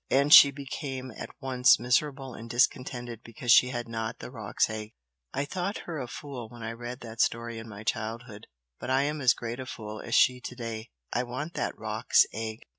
And she became at once miserable and discontented because she had not the roc's egg! I thought her a fool when I read that story in my childhood but I am as great a fool as she to day. I want that roc's egg!"